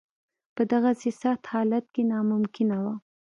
په دغسې سخت حالت کې ناممکنه وه.